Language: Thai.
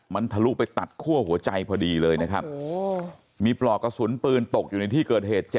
มันทะลุไปตัดคั่วหัวใจพอดีเลยนะครับมีปลอกกระสุนปืนตกอยู่ในที่เกิดเหตุ